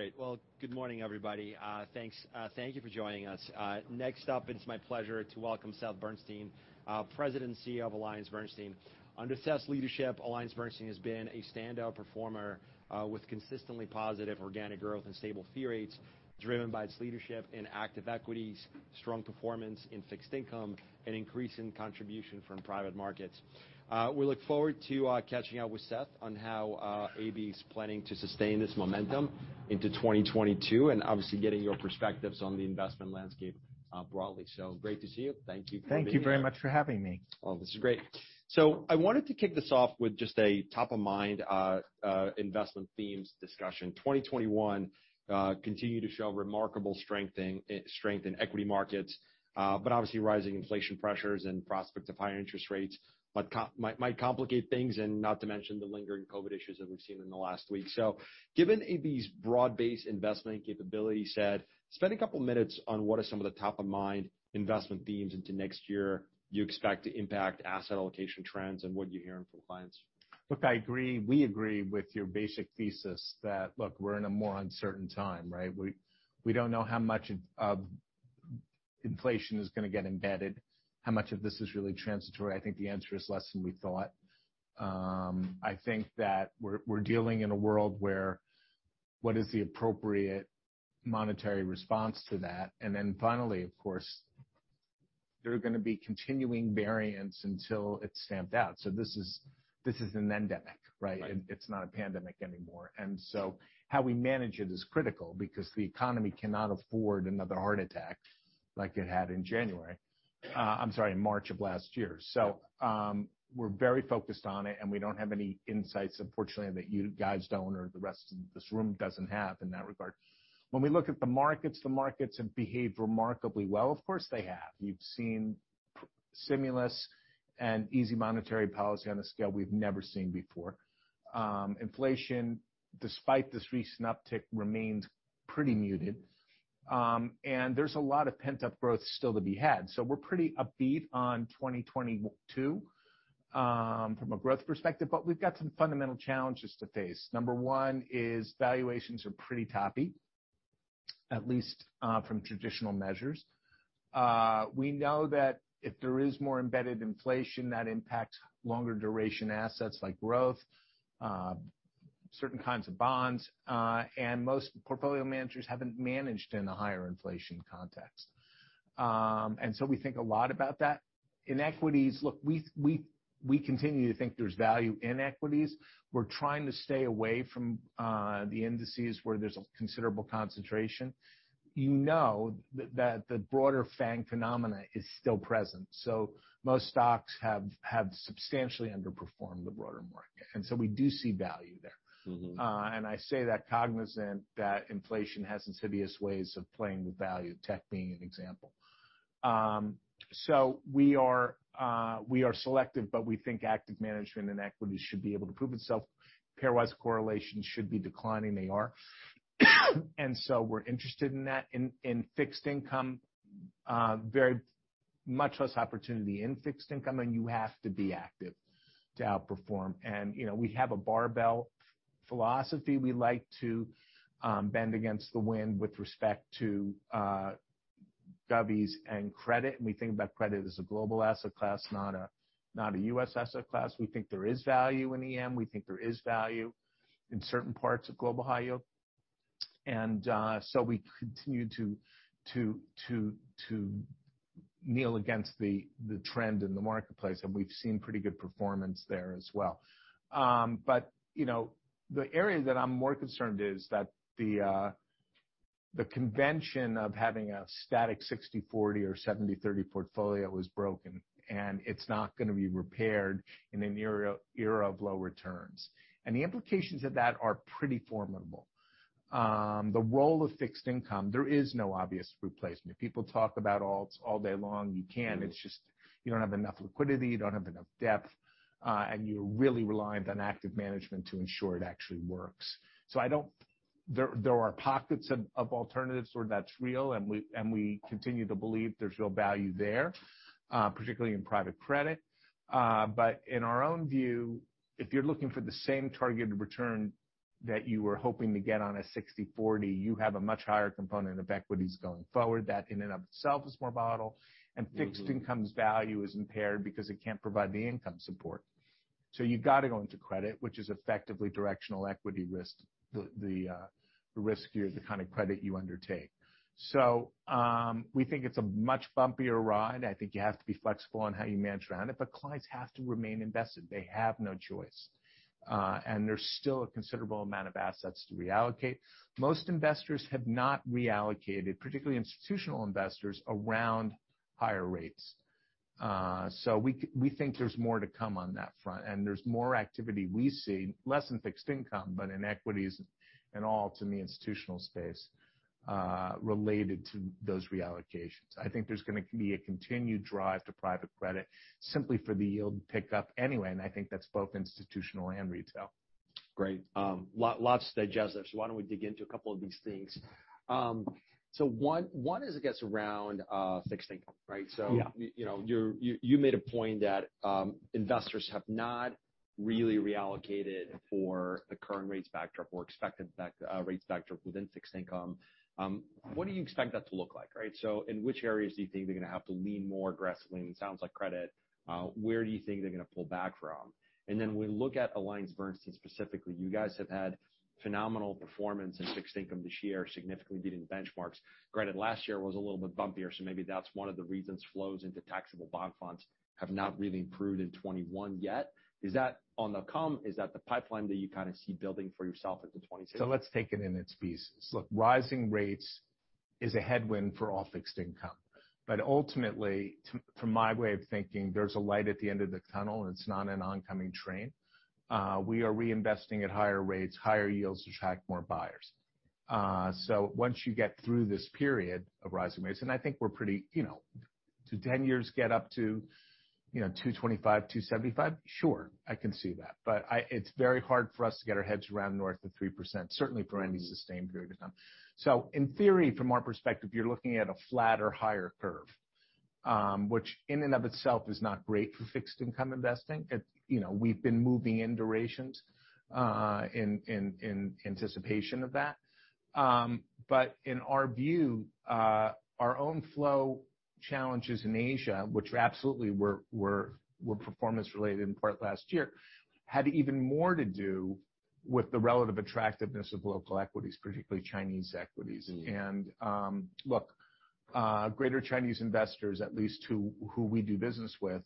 Great. Well, good morning, everybody. Thanks, thank you for joining us. Next up, it's my pleasure to welcome Seth Bernstein, President and CEO of AllianceBernstein. Under Seth's leadership, AllianceBernstein has been a standout performer, with consistently positive organic growth and stable fee rates driven by its leadership in active equities, strong performance in fixed income, and increase in contribution from private markets. We look forward to catching up with Seth on how AB is planning to sustain this momentum into 2022, and obviously getting your perspectives on the investment landscape, broadly. Great to see you. Thank you for being here. Thank you very much for having me. Oh, this is great. I wanted to kick this off with just a top-of-mind investment themes discussion. 2021 continued to show remarkable strength in equity markets, but obviously rising inflation pressures and prospects of higher interest rates might complicate things, and not to mention the lingering COVID issues that we've seen in the last week. Given AB's broad-based investment capabilities, Seth, spend a couple minutes on what are some of the top-of-mind investment themes into next year you expect to impact asset allocation trends and what you're hearing from clients. Look, I agree, we agree with your basic thesis that, look, we're in a more uncertain time, right? We don't know how much of inflation is gonna get embedded, how much of this is really transitory. I think the answer is less than we thought. I think that we're dealing in a world where, what is the appropriate monetary response to that? Then finally, of course, there are gonna be continuing variants until it's stamped out. This is an endemic, right? Right. It's not a pandemic anymore. How we manage it is critical because the economy cannot afford another heart attack like it had in March of last year. We're very focused on it, and we don't have any insights, unfortunately, that you guys don't or the rest of this room doesn't have in that regard. When we look at the markets, the markets have behaved remarkably well. Of course, they have. You've seen stimulus and easy monetary policy on a scale we've never seen before. Inflation, despite this recent uptick, remains pretty muted. There's a lot of pent-up growth still to be had. We're pretty upbeat on 2022 from a growth perspective, but we've got some fundamental challenges to face. Number one is valuations are pretty toppy, at least, from traditional measures. We know that if there is more embedded inflation, that impacts longer duration assets like growth, certain kinds of bonds, and most portfolio managers haven't managed in the higher inflation context. We think a lot about that. In equities, look, we continue to think there's value in equities. We're trying to stay away from the indices where there's a considerable concentration. You know that the broader FAANG phenomena is still present. Most stocks have substantially underperformed the broader market. We do see value there. Mm-hmm. I say that cognizant that inflation has insidious ways of playing with value, tech being an example. We are selective, but we think active management and equity should be able to prove itself. Pairwise correlations should be declining. They are. We're interested in that. In fixed income, very much less opportunity in fixed income, and you have to be active to outperform. You know, we have a barbell philosophy. We like to bend against the wind with respect to govies and credit, and we think about credit as a global asset class, not a U.S. asset class. We think there is value in EM. We think there is value in certain parts of global high yield. We continue to lean against the trend in the marketplace, and we've seen pretty good performance there as well. You know, the area that I'm more concerned is that the convention of having a static 60/40 or 70/30 portfolio is broken, and it's not gonna be repaired in an era of low returns. The implications of that are pretty formidable. The role of fixed income, there is no obvious replacement. People talk about alts all day long. You can't. Mm-hmm. It's just you don't have enough liquidity, you don't have enough depth, and you're really reliant on active management to ensure it actually works. There are pockets of alternatives where that's real, and we continue to believe there's real value there, particularly in private credit. In our own view, if you're looking for the same targeted return that you were hoping to get on a 60/40, you have a much higher component of equities going forward. That in and of itself is more volatile. Mm-hmm. Fixed income's value is impaired because it can't provide the income support. You've got to go into credit, which is effectively directional equity risk, the kind of credit you undertake. We think it's a much bumpier ride. I think you have to be flexible on how you manage around it, but clients have to remain invested. They have no choice. There's still a considerable amount of assets to reallocate. Most investors have not reallocated, particularly institutional investors, around higher rates. We think there's more to come on that front, and there's more activity we see, less in fixed income, but in equities and alts in the institutional space, related to those reallocations. I think there's gonna be a continued drive to private credit simply for the yield pickup anyway, and I think that's both institutional and retail. Great. Lots to digest there. Why don't we dig into a couple of these things? One is I guess around fixed income, right? Yeah. You know, you made a point that investors have not really reallocated for the current rates backdrop or expected rates backdrop within fixed income. What do you expect that to look like, right? In which areas do you think they're gonna have to lean more aggressively? It sounds like credit. Where do you think they're gonna pull back from? Then we look at AllianceBernstein specifically. You guys have had phenomenal performance in fixed income this year, significantly beating benchmarks. Granted, last year was a little bit bumpier, so maybe that's one of the reasons flows into taxable bond funds have not really improved in 2021 yet. Is that on the come? Is that the pipeline that you kind of see building for yourself into 2022? Let's take it in its pieces. Look, rising rates is a headwind for all fixed income. Ultimately, from my way of thinking, there's a light at the end of the tunnel, and it's not an oncoming train. We are reinvesting at higher rates, higher yields to attract more buyers. Once you get through this period of rising rates, and I think we're pretty, you know. Do 10 years get up to, you know, 2.25, 2.75? Sure, I can see that. It's very hard for us to get our heads around north of 3%, certainly for any sustained period of time. In theory, from our perspective, you're looking at a flat or higher curve, which in and of itself is not great for fixed income investing. You know, we've been moving in durations in anticipation of that. In our view, our own flow challenges in Asia, which absolutely were performance related in part last year, had even more to do with the relative attractiveness of local equities, particularly Chinese equities. Mm-hmm. Greater Chinese investors, at least who we do business with,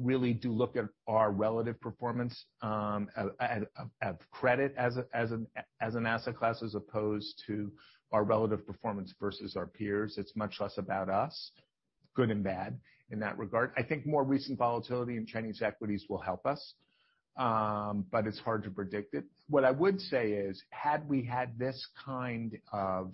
really do look at our relative performance at credit as an asset class, as opposed to our relative performance versus our peers. It's much less about us, good and bad in that regard. I think more recent volatility in Chinese equities will help us, but it's hard to predict it. What I would say is, had we had this kind of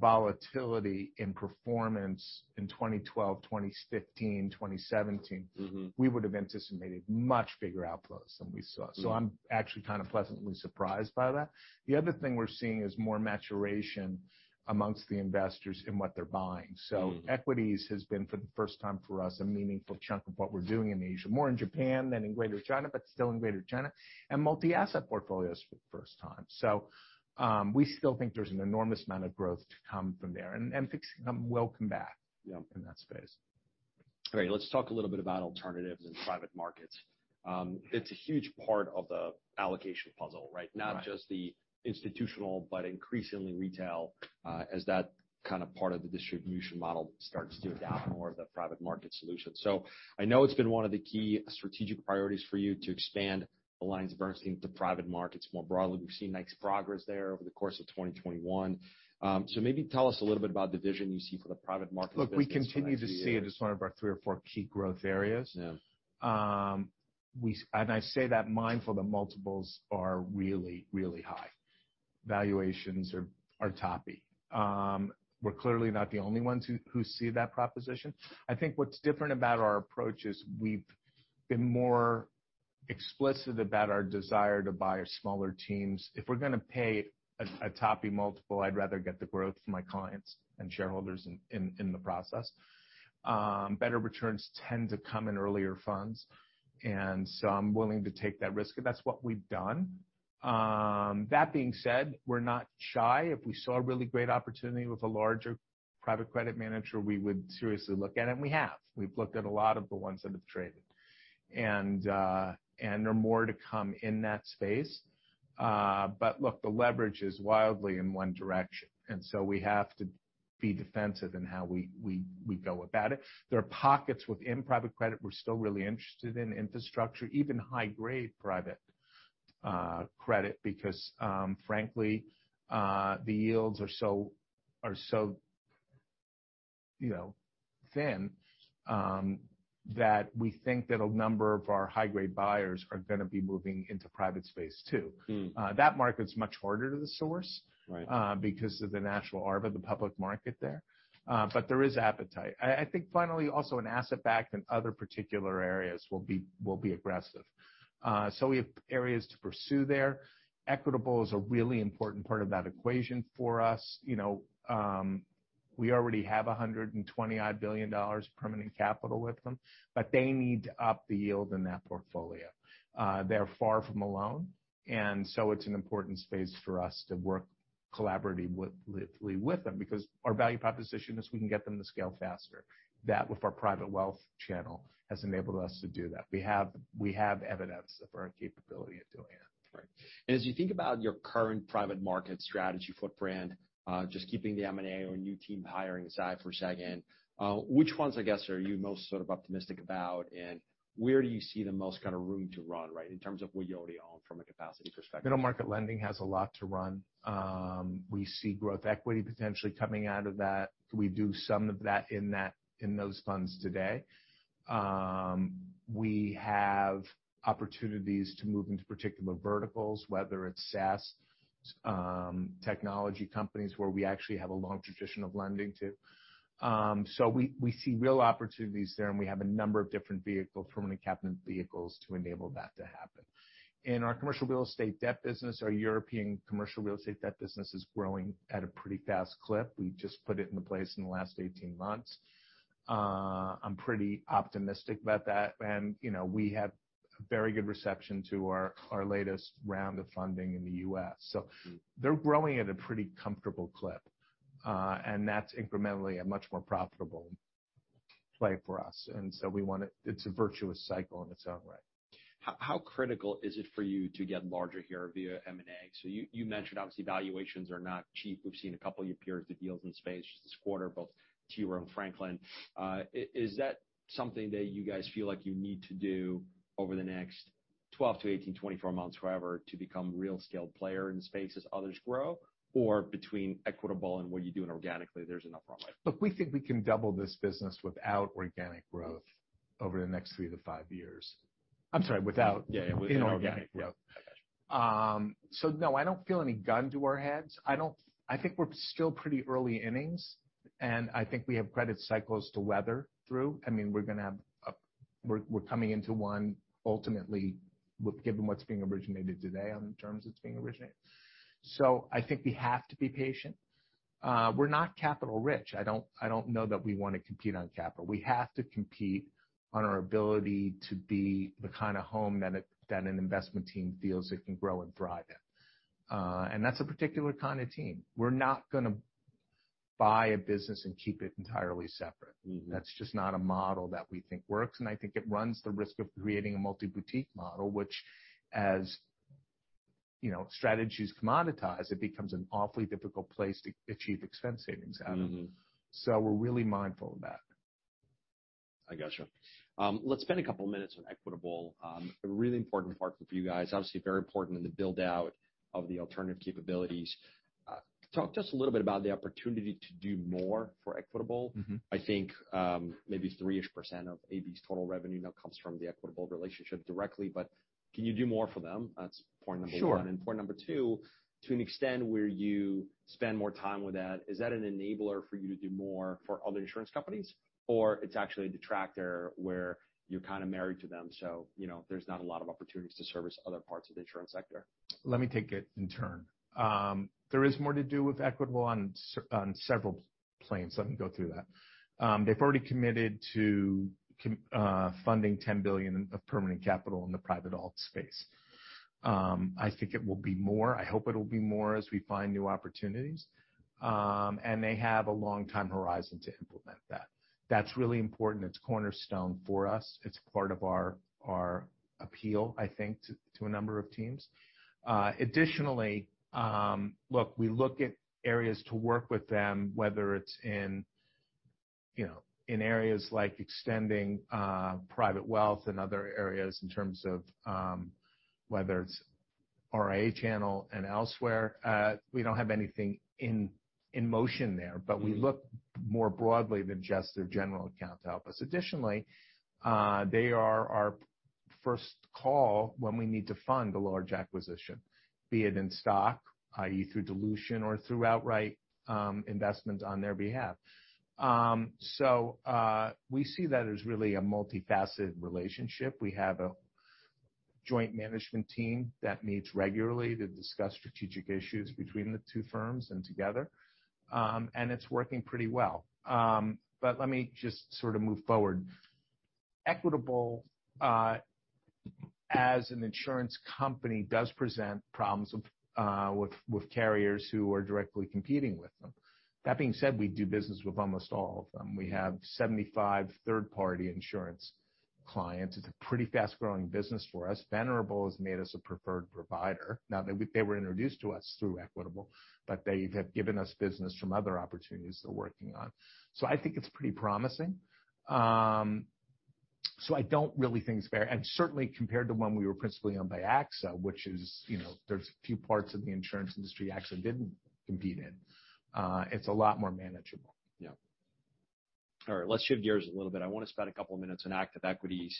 volatility in performance in 2012, 2015, 2017- Mm-hmm. We would have anticipated much bigger outflows than we saw. Mm-hmm. I'm actually kind of pleasantly surprised by that. The other thing we're seeing is more maturation among the investors in what they're buying. Mm-hmm. Equities has been, for the first time for us, a meaningful chunk of what we're doing in Asia, more in Japan than in Greater China, but still in Greater China, and multi-asset portfolios for the first time. We still think there's an enormous amount of growth to come from there and fixed income will come back. Yeah. in that space. Great. Let's talk a little bit about alternatives in private markets. It's a huge part of the allocation puzzle, right? Right. Not just the institutional, but increasingly retail, as that kind of part of the distribution model starts to adapt more of the private market solution. I know it's been one of the key strategic priorities for you to expand AllianceBernstein to private markets more broadly. We've seen nice progress there over the course of 2021. Maybe tell us a little bit about the vision you see for the private markets business for next year. Look, we continue to see it as one of our three or four key growth areas. Yeah. I say that mindful that multiples are really, really high. Valuations are toppy. We're clearly not the only ones who see that proposition. I think what's different about our approach is we've been more explicit about our desire to buy smaller teams. If we're gonna pay a toppy multiple, I'd rather get the growth for my clients and shareholders in the process. Better returns tend to come in earlier funds, and so I'm willing to take that risk, and that's what we've done. That being said, we're not shy. If we saw a really great opportunity with a larger private credit manager, we would seriously look at it, and we have. We've looked at a lot of the ones that have traded. There are more to come in that space. Look, the leverage is wildly in one direction, and so we have to be defensive in how we go about it. There are pockets within private credit we're still really interested in, infrastructure, even high grade private credit, because, frankly, the yields are so, you know, thin, that we think that a number of our high grade buyers are gonna be moving into private space too. Mm. That market's much harder to source. Right. Because of the natural arb of the public market there. There is appetite. I think finally, also in asset backed and other particular areas we'll be aggressive. We have areas to pursue there. Equitable is a really important part of that equation for us. You know, we already have $120-odd billion permanent capital with them, but they need to up the yield in that portfolio. They're far from alone, and it's an important space for us to work collaboratively with them, because our value proposition is we can get them to scale faster. That, with our private wealth channel, has enabled us to do that. We have evidence of our capability of doing that. Right. As you think about your current private market strategy footprint, just keeping the M&A or new team hiring aside for a second, which ones, I guess, are you most sort of optimistic about, and where do you see the most kind of room to run, right, in terms of what you already own from a capacity perspective? Middle market lending has a lot to run. We see growth equity potentially coming out of that. We do some of that in those funds today. We have opportunities to move into particular verticals, whether it's SaaS, technology companies where we actually have a long tradition of lending to. We see real opportunities there, and we have a number of different vehicles, permanent capital vehicles to enable that to happen. In our commercial real estate debt business, our European commercial real estate debt business is growing at a pretty fast clip. We just put it into place in the last 18 months. I'm pretty optimistic about that. You know, we had very good reception to our latest round of funding in the U.S. They're growing at a pretty comfortable clip, and that's incrementally a much more profitable play for us. It's a virtuous cycle in its own right. How critical is it for you to get larger here via M&A? You mentioned, obviously, valuations are not cheap. We've seen a couple of your peers do deals in the space just this quarter, both T. Rowe Price and Franklin Templeton. Is that something that you guys feel like you need to do over the next 12-18, 24 months, however, to become a real scaled player in the space as others grow? Between Equitable and what you're doing organically, there's enough runway? Look, we think we can double this business without organic growth over the next 3-5 years. Yeah, yeah. Inorganic growth. No, I don't feel any gun to our heads. I think we're still pretty early innings, and I think we have credit cycles to weather through. I mean, we're gonna have we're coming into one ultimately with given what's being originated today on the terms that's being originated. I think we have to be patient. We're not capital rich. I don't know that we wanna compete on capital. We have to compete on our ability to be the kinda home that an investment team feels it can grow and thrive in. That's a particular kind of team. We're not gonna buy a business and keep it entirely separate. Mm-hmm. That's just not a model that we think works, and I think it runs the risk of creating a multi-boutique model, which, as you know, strategies commoditize, it becomes an awfully difficult place to achieve expense savings out of. Mm-hmm. We're really mindful of that. I got you. Let's spend a couple minutes on Equitable, a really important partner for you guys. Obviously very important in the build-out of the alternative capabilities. Talk to us a little bit about the opportunity to do more for Equitable. Mm-hmm. I think, maybe 3-ish% of AB's total revenue now comes from the Equitable relationship directly, but can you do more for them? That's point number one. Sure. Point number two, to an extent where you spend more time with that, is that an enabler for you to do more for other insurance companies? Or it's actually a detractor where you're kind of married to them, so, you know, there's not a lot of opportunities to service other parts of the insurance sector? Let me take it in turn. There is more to do with Equitable on several planes. Let me go through that. They've already committed to funding $10 billion of permanent capital in the private alt space. I think it will be more. I hope it'll be more as we find new opportunities. They have a long time horizon to implement that. That's really important. It's cornerstone for us. It's part of our appeal, I think, to a number of teams. Additionally, look, we look at areas to work with them, whether it's in you know in areas like extending private wealth and other areas in terms of whether it's RIA channel and elsewhere. We don't have anything in motion there. Mm-hmm. We look more broadly than just their general account to help us. Additionally, they are our first call when we need to fund a large acquisition. Be it in stock, i.e., through dilution or through outright investment on their behalf. So, we see that as really a multifaceted relationship. We have a joint management team that meets regularly to discuss strategic issues between the two firms and together. It's working pretty well. Let me just sort of move forward. Equitable, as an insurance company, does present problems with carriers who are directly competing with them. That being said, we do business with almost all of them. We have 75 third-party insurance clients. It's a pretty fast-growing business for us. Venerable has made us a preferred provider. Now, they were introduced to us through Equitable, but they have given us business from other opportunities they're working on. I think it's pretty promising. I don't really think it's fair. Certainly compared to when we were principally owned by AXA, which is, you know, there's few parts of the insurance industry AXA didn't compete in, it's a lot more manageable. Yeah. All right, let's shift gears a little bit. I wanna spend a couple minutes on active equities.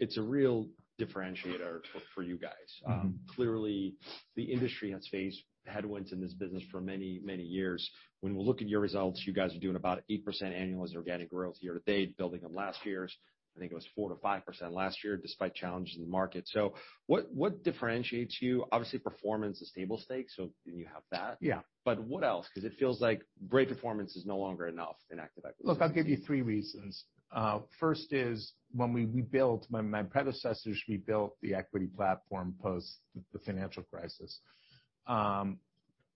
It's a real differentiator for you guys. Mm-hmm. Clearly the industry has faced headwinds in this business for many, many years. When we look at your results, you guys are doing about 8% annualized organic growth year to date, building on last year's. I think it was 4%-5% last year, despite challenges in the market. What differentiates you? Obviously, performance is table stakes, and you have that. Yeah. What else? 'Cause it feels like great performance is no longer enough in active equities. Look, I'll give you three reasons. First is when we rebuilt, when my predecessors rebuilt the equity platform post the financial crisis,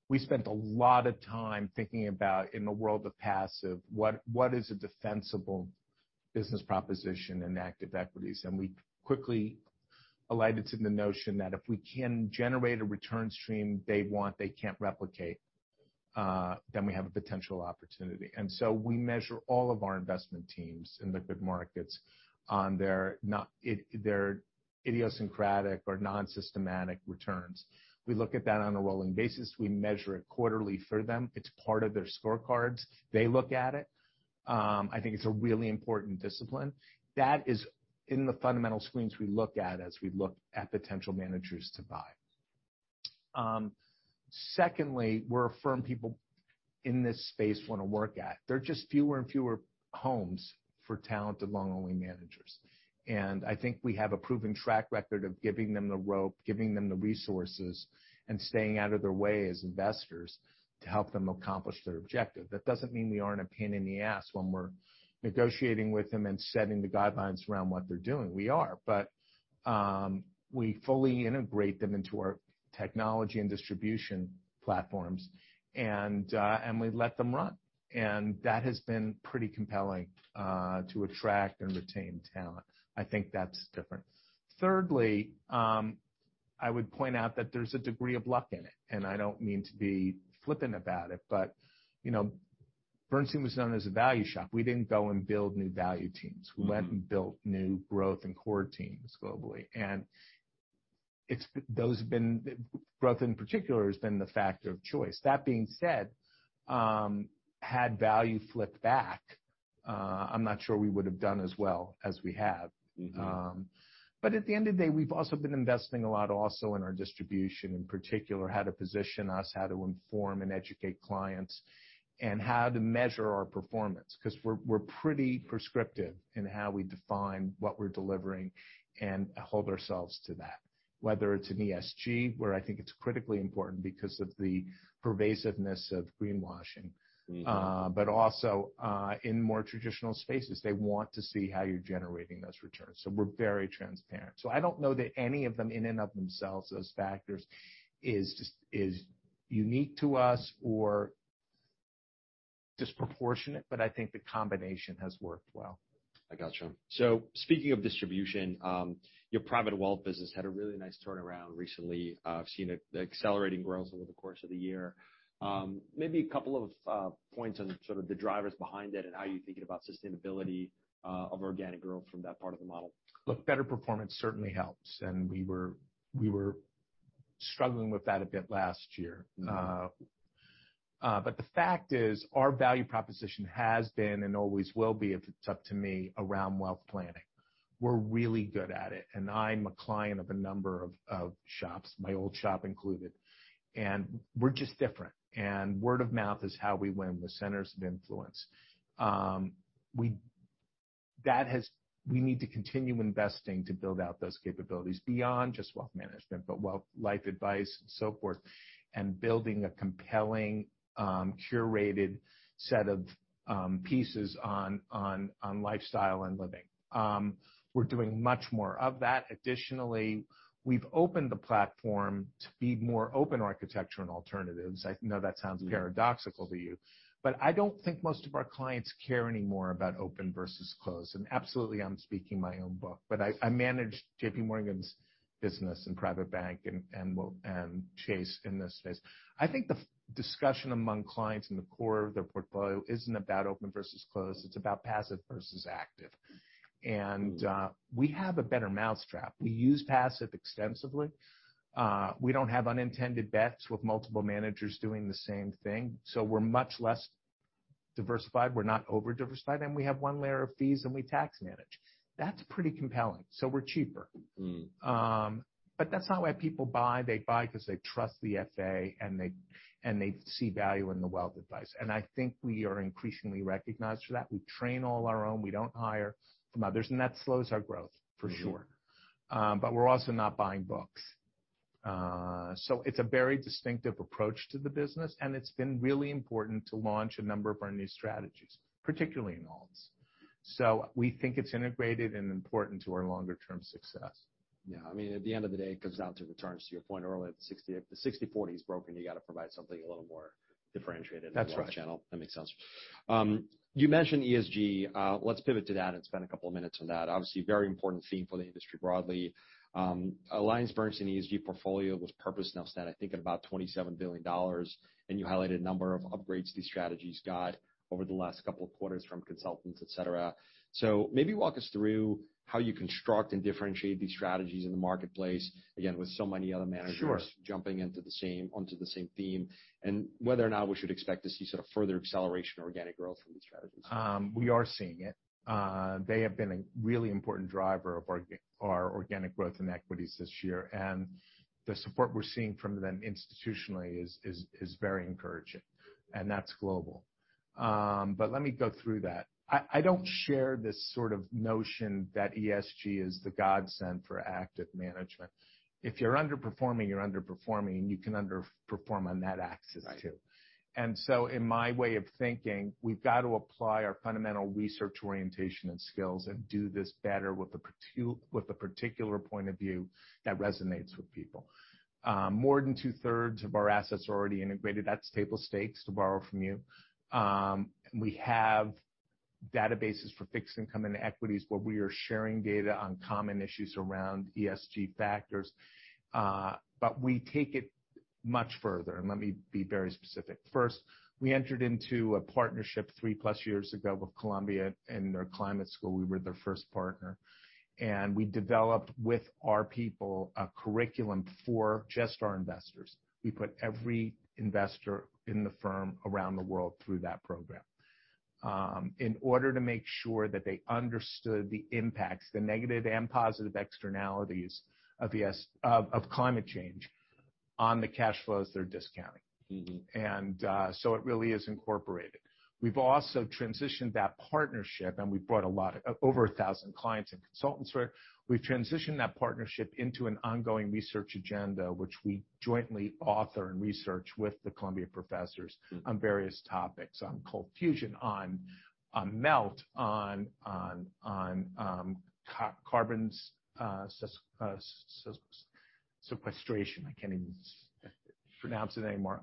we spent a lot of time thinking about, in the world of passive, what is a defensible business proposition in active equities? We quickly alighted to the notion that if we can generate a return stream they want, they can't replicate, then we have a potential opportunity. We measure all of our investment teams in liquid markets on their idiosyncratic or non-systematic returns. We look at that on a rolling basis. We measure it quarterly for them. It's part of their scorecards. They look at it. I think it's a really important discipline. That is in the fundamental screens we look at as we look at potential managers to buy. Secondly, we're a firm people in this space wanna work at. There are just fewer and fewer homes for talented long-only managers. I think we have a proven track record of giving them the rope, giving them the resources, and staying out of their way as investors to help them accomplish their objective. That doesn't mean we aren't a pain in the ass when we're negotiating with them and setting the guidelines around what they're doing. We are. We fully integrate them into our technology and distribution platforms, and we let them run. That has been pretty compelling to attract and retain talent. I think that's different. Thirdly, I would point out that there's a degree of luck in it, and I don't mean to be flippant about it, but, you know, Bernstein was known as a value shop. We didn't go and build new value teams. Mm-hmm. We went and built new growth and core teams globally. Growth in particular has been the factor of choice. That being said, had value flipped back, I'm not sure we would have done as well as we have. Mm-hmm. At the end of the day, we've also been investing a lot also in our distribution, in particular, how to position us, how to inform and educate clients, and how to measure our performance. 'Cause we're pretty prescriptive in how we define what we're delivering and hold ourselves to that, whether it's in ESG, where I think it's critically important because of the pervasiveness of greenwashing. Mm-hmm. Also, in more traditional spaces, they want to see how you're generating those returns. We're very transparent. I don't know that any of them in and of themselves as factors is unique to us or disproportionate, but I think the combination has worked well. I got you. Speaking of distribution, your private wealth business had a really nice turnaround recently. I've seen it accelerating growth over the course of the year. Maybe a couple of points on sort of the drivers behind it and how you're thinking about sustainability of organic growth from that part of the model. Look, better performance certainly helps, and we were struggling with that a bit last year. But the fact is, our value proposition has been and always will be, if it's up to me, around wealth planning. We're really good at it, and I'm a client of a number of shops, my old shop included. We're just different. Word of mouth is how we win with centers of influence. We need to continue investing to build out those capabilities beyond just wealth management, but wealth, life advice and so forth, and building a compelling curated set of pieces on lifestyle and living. We're doing much more of that. Additionally, we've opened the platform to be more open architecture and alternatives. I know that sounds paradoxical to you, but I don't think most of our clients care anymore about open versus closed. Absolutely, I'm speaking my own book. I manage JPMorgan's business and private bank and Chase in this space. I think the discussion among clients in the core of their portfolio isn't about open versus closed, it's about passive versus active. Mm-hmm. We have a better mousetrap. We use passive extensively. We don't have unintended bets with multiple managers doing the same thing, so we're much less diversified. We're not over-diversified, and we have one layer of fees, and we tax manage. That's pretty compelling, so we're cheaper. Mm. That's not why people buy. They buy 'cause they trust the FA, and they see value in the wealth advice. I think we are increasingly recognized for that. We train all our own. We don't hire from others, and that slows our growth, for sure. Mm-hmm. We're also not buying books. It's a very distinctive approach to the business, and it's been really important to launch a number of our new strategies, particularly in alts. We think it's integrated and important to our longer term success. Yeah. I mean, at the end of the day, it comes down to returns, to your point earlier. The 60/40 is broken. You gotta provide something a little more differentiated. That's right. in your channel. That makes sense. You mentioned ESG. Let's pivot to that and spend a couple of minutes on that. Obviously, a very important theme for the industry broadly. AllianceBernstein's ESG Portfolios with Purpose now stands, I think, at about $27 billion, and you highlighted a number of upgrades these strategies got over the last couple of quarters from consultants, et cetera. Maybe walk us through how you construct and differentiate these strategies in the marketplace, again, with so many other managers- Sure. Onto the same theme, and whether or not we should expect to see sort of further acceleration organic growth from these strategies. We are seeing it. They have been a really important driver of our organic growth in equities this year, and the support we're seeing from them institutionally is very encouraging, and that's global. Let me go through that. I don't share this sort of notion that ESG is the godsend for active management. If you're underperforming, you're underperforming, and you can underperform on that axis too. Right. In my way of thinking, we've got to apply our fundamental research orientation and skills and do this better with a particular point of view that resonates with people. More than 2/3 of our assets are already integrated. That's table stakes, to borrow from you. We have databases for fixed income and equities, but we are sharing data on common issues around ESG factors. We take it much further, and let me be very specific. First, we entered into a partnership three-plus years ago with Columbia and their Climate School. We were their first partner. We developed with our people a curriculum for just our investors. We put every investor in the firm around the world through that program. In order to make sure that they understood the impacts, the negative and positive externalities of climate change on the cash flows they're discounting. Mm-hmm. It really is incorporated. We've also transitioned that partnership, and we brought over 1,000 clients and consultants for it. We've transitioned that partnership into an ongoing research agenda, which we jointly author and research with the Columbia professors. Mm. On various topics. On cold fusion, on melt, on carbon sequestration. I can't even pronounce it anymore.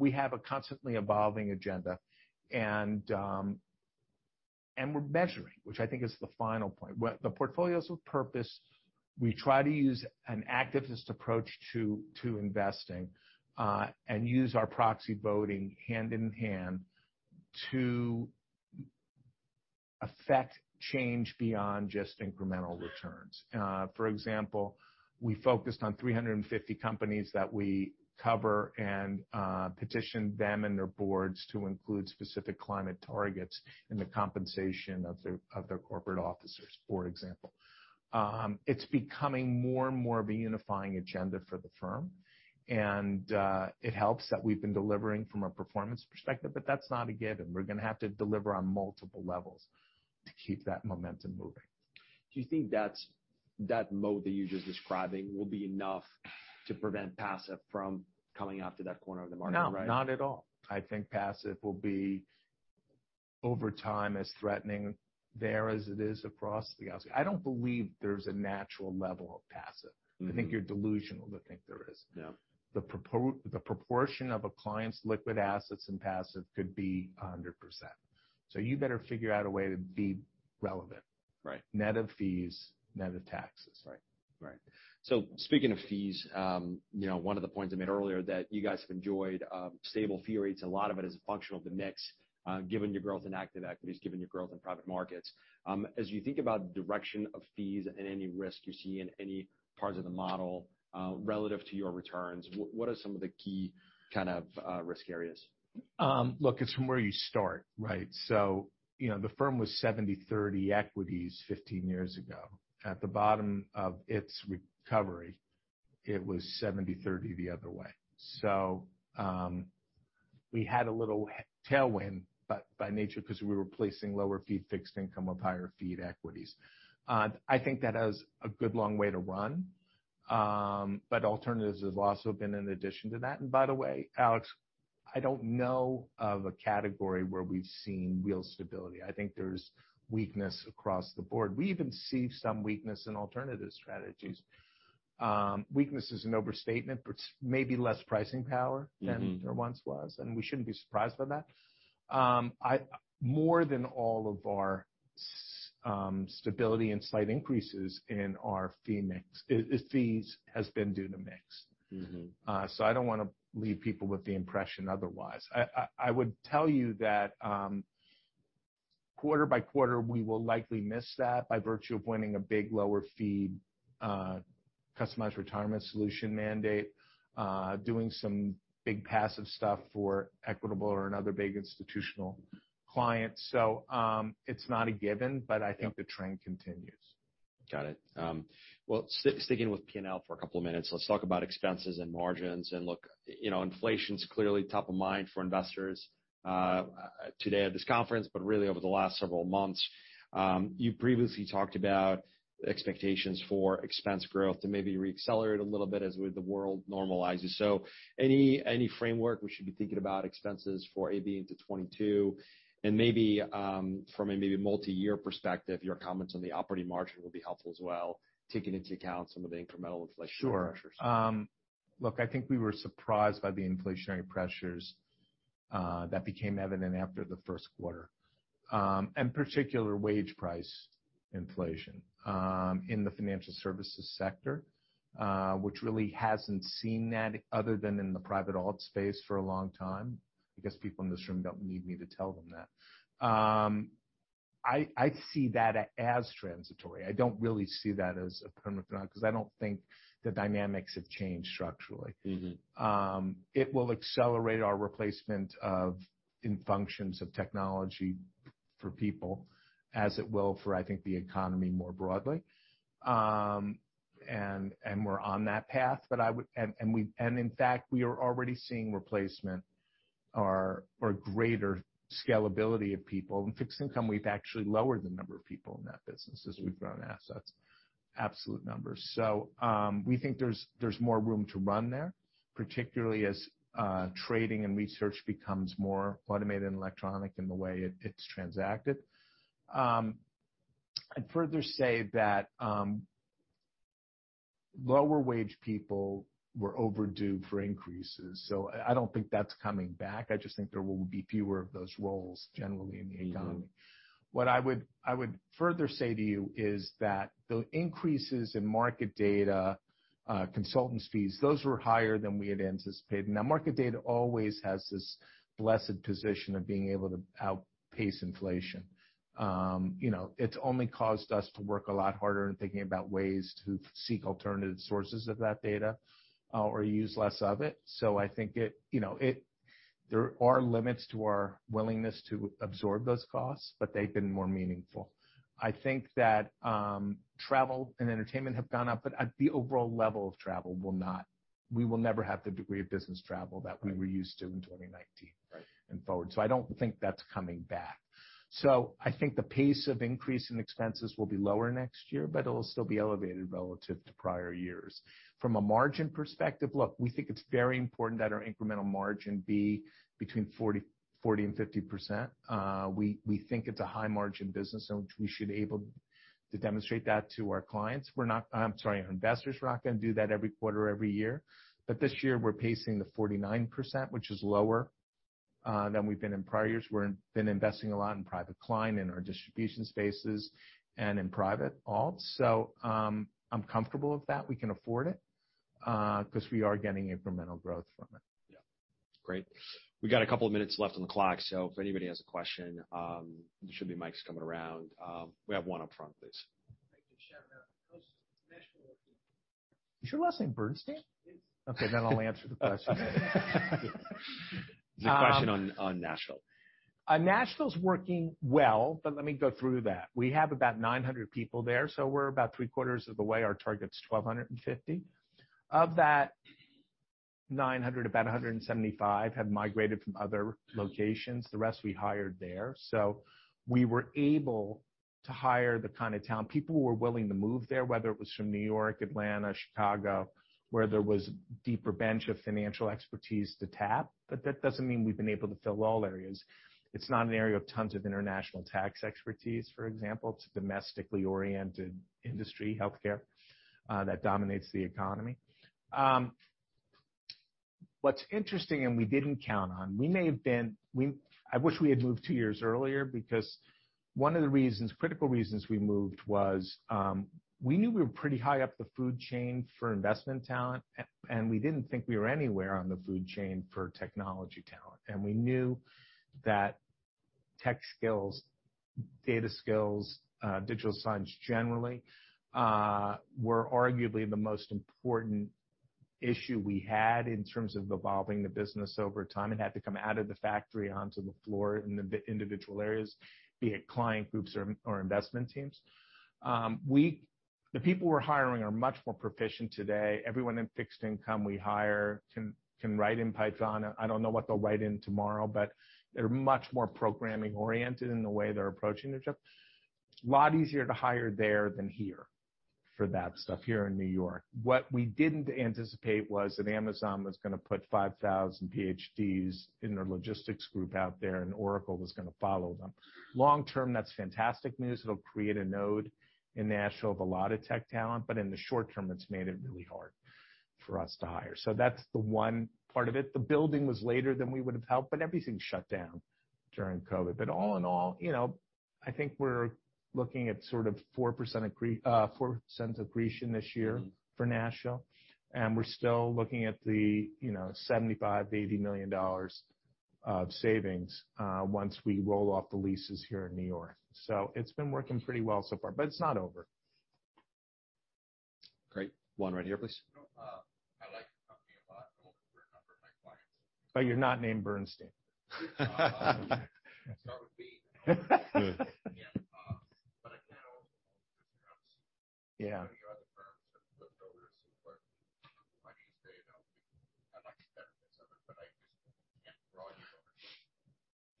We have a constantly evolving agenda and we're measuring, which I think is the final point. The Portfolios with Purpose, we try to use an activist approach to investing and use our proxy voting hand-in-hand to effect change beyond just incremental returns. For example, we focused on 350 companies that we cover and petitioned them and their boards to include specific climate targets in the compensation of their corporate officers, for example. It's becoming more and more of a unifying agenda for the firm, and it helps that we've been delivering from a performance perspective, but that's not a given. We're gonna have to deliver on multiple levels to keep that momentum moving. Do you think that mode that you're just describing will be enough to prevent passive from coming after that corner of the market, right? No, not at all. I think passive will be, over time, as threatening there as it is across the galaxy. I don't believe there's a natural level of passive. Mm-hmm. I think you're delusional to think there is. Yeah. The proportion of a client's liquid assets and passive could be 100%. You better figure out a way to be relevant. Right. Net of fees, net of taxes. Right. Speaking of fees, you know, one of the points I made earlier that you guys have enjoyed stable fee rates, a lot of it is a function of the mix, given your growth in active equities, given your growth in private markets. As you think about direction of fees and any risk you see in any parts of the model, relative to your returns, what are some of the key kind of risk areas? Look, it's from where you start, right? You know, the firm was 70/30 equities 15 years ago. At the bottom of its recovery, it was 70/30 the other way. We had a little tailwind, but by nature, 'cause we were replacing lower fee fixed income with higher-fee equities. I think that has a good long way to run. Alternatives have also been in addition to that. By the way, Alex, I don't know of a category where we've seen real stability. I think there's weakness across the board. We even see some weakness in alternative strategies. Weakness is an overstatement, but maybe less pricing power. Mm. than there once was, and we shouldn't be surprised by that. More than all of our AUM stability and slight increases in our fee mix, the fees has been due to mix. Mm-hmm. I don't wanna leave people with the impression otherwise. I would tell you that, quarter by quarter, we will likely miss that by virtue of winning a big lower fee, customized retirement solution mandate, doing some big passive stuff for Equitable or another big institutional client. It's not a given, but I think the trend continues. Got it. Well, sticking with P&L for a couple of minutes, let's talk about expenses and margins. Look, you know, inflation's clearly top of mind for investors today at this conference, but really over the last several months. You previously talked about expectations for expense growth to maybe re-accelerate a little bit as the world normalizes. Any framework we should be thinking about expenses for AB into 2022 and maybe from a multi-year perspective, your comments on the operating margin will be helpful as well, taking into account some of the incremental inflation pressures. Sure. Look, I think we were surprised by the inflationary pressures that became evident after the first quarter, particular wage price inflation in the financial services sector, which really hasn't seen that other than in the private alt space for a long time. I guess people in this room don't need me to tell them that. I see that as transitory. I don't really see that as a permanent phenomenon because I don't think the dynamics have changed structurally. Mm-hmm. It will accelerate our replacement of human functions with technology for people as it will for, I think, the economy more broadly. We're on that path, and in fact, we are already seeing replacement or greater scalability of people. In fixed income, we've actually lowered the number of people in that business as we've grown assets, absolute numbers. We think there's more room to run there, particularly as trading and research becomes more automated and electronic in the way it's transacted. I'd further say that lower wage people were overdue for increases, so I don't think that's coming back. I just think there will be fewer of those roles generally in the economy. Mm-hmm. What I would further say to you is that the increases in market data, consultants' fees, those were higher than we had anticipated. Now, market data always has this blessed position of being able to outpace inflation. You know, it's only caused us to work a lot harder in thinking about ways to seek alternative sources of that data, or use less of it. So I think, you know, there are limits to our willingness to absorb those costs, but they've been more meaningful. I think that travel and entertainment have gone up, but the overall level of travel will not. We will never have the degree of business travel that we were used to in 2019. Right. and forward. I don't think that's coming back. I think the pace of increase in expenses will be lower next year, but it'll still be elevated relative to prior years. From a margin perspective, look, we think it's very important that our incremental margin be 40%-50%. We think it's a high margin business, so we should be able to demonstrate that to our clients. I'm sorry, our investors were not gonna do that every quarter, every year. This year we're pacing the 49%, which is lower than we've been in prior years. We've been investing a lot in private client, in our distribution spaces, and in private alts. I'm comfortable with that. We can afford it, 'cause we are getting incremental growth from it. Yeah. Great. We got a couple of minutes left on the clock, so if anybody has a question, there should be mics coming around. We have one up front, please. Make a shout-out. How's Nashville looking? Is your last name Bernstein? Yes. Okay, I'll answer the question. There's a question on Nashville. Nashville's working well, but let me go through that. We have about 900 people there, so we're about three-quarters of the way. Our target's 1,250. Of that 900, about 175 have migrated from other locations. The rest we hired there. We were able to hire the kind of talent. People who were willing to move there, whether it was from New York, Atlanta, Chicago, where there was deeper bench of financial expertise to tap. That doesn't mean we've been able to fill all areas. It's not an area of tons of international tax expertise, for example. It's a domestically oriented industry, healthcare, that dominates the economy. What's interesting, we didn't count on. I wish we had moved two years earlier because one of the reasons, critical reasons we moved was, we knew we were pretty high up the food chain for investment talent, and we didn't think we were anywhere on the food chain for technology talent. We knew that tech skills, data skills, digital science generally, were arguably the most important issue we had in terms of evolving the business over time. It had to come out of the factory onto the floor in the individual areas, be it client groups or investment teams. The people we're hiring are much more proficient today. Everyone in fixed income we hire can write in Python. I don't know what they'll write in tomorrow, but they're much more programming-oriented in the way they're approaching their job. A lot easier to hire there than here for that stuff here in New York. What we didn't anticipate was that Amazon was gonna put 5,000 PhDs in their logistics group out there, and Oracle was gonna follow them. Long term, that's fantastic news. It'll create a node in Nashville of a lot of tech talent, but in the short term, it's made it really hard for us to hire. That's the one part of it. The building was later than we would have liked, but everything's shut down during COVID. All in all, you know, I think we're looking at sort of $0.04 accretion this year for Nashville. We're still looking at the, you know, $75 million -$80 million of savings once we roll off the leases here in New York. It's been working pretty well so far, but it's not over. Great. One right here, please. You know, I like the company a lot. I work with a number of my clients. You're not named Bernstein. Start with me. Yeah. I can also Yeah. Many other firms have flipped over to C corp. I need to say, you know, I like the benefits of it, but I just can't drag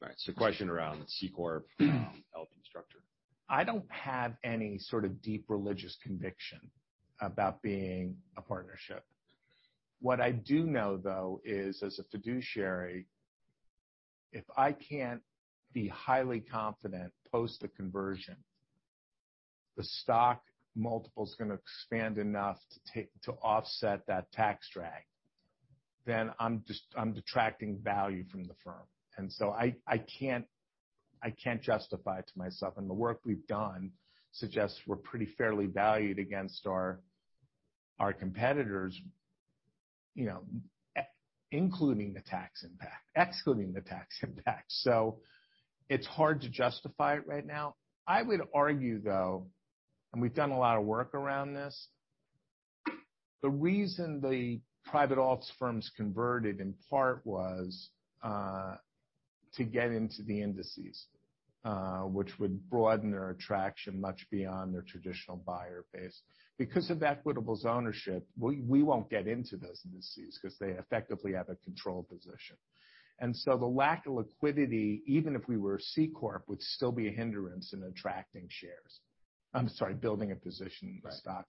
you over. Right. Question around C corp helping structure. I don't have any sort of deep religious conviction about being a partnership. What I do know, though, is as a fiduciary, if I can't be highly confident post the conversion, the stock multiple's gonna expand enough to offset that tax drag, then I'm detracting value from the firm. I can't justify it to myself, and the work we've done suggests we're pretty fairly valued against our competitors, you know, including the tax impact, excluding the tax impact. It's hard to justify it right now. I would argue, though, and we've done a lot of work around this, the reason the private alts firms converted in part was to get into the indices, which would broaden their attraction much beyond their traditional buyer base. Because of Equitable's ownership, we won't get into those indices 'cause they effectively have a control position. The lack of liquidity, even if we were C corp, would still be a hindrance in attracting shares. I'm sorry, building a position in the stock.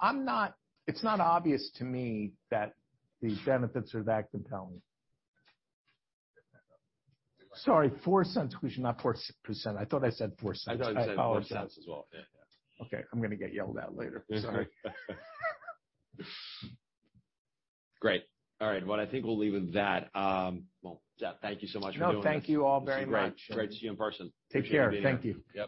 I'm not, it's not obvious to me that the benefits are that compelling. Sorry, $0.04 accretion, not 4%. I thought I said $0.04. I thought you said $0.04 as well. Yeah. Okay, I'm gonna get yelled at later. Sorry. Great. All right. Well, I think we'll leave with that. Well, Seth, thank you so much for doing this. No, thank you all very much. It's great to see you in person. Take care. Thank you. Yep.